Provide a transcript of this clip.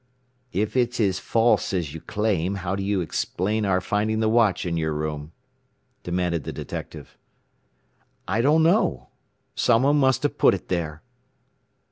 "If it's 'false,' as you claim, how do you explain our finding the watch in your room?" demanded the detective. "I don't know. Someone must have put it there."